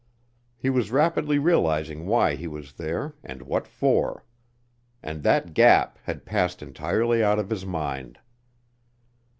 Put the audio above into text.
He was rapidly realizing why he was there, and what for. And that gap had passed entirely out of his mind.